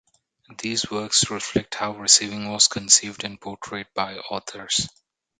These works reflect how receiving was conceived and portrayed by authors.